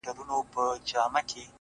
كله، ناكله غلتيږي څــوك غوصه راځـي،